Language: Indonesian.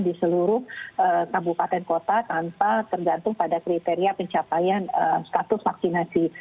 di seluruh kabupaten kota tanpa tergantung pada kriteria pencapaian status vaksinasi